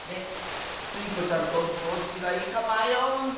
スイ子ちゃんとどっちがいいかまようッス。